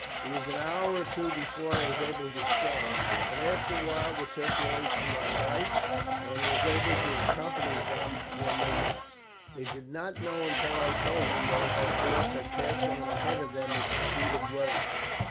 It was an hour or two before I was able to stand, but after a while the circulation got right, and I was able to accompany them when they marched. They did not know until I told them that our force had passed on ahead of them in pursuit of Wellington.